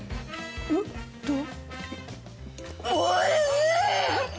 どう？